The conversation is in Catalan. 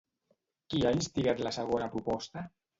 Qui ha instigat la segona proposta?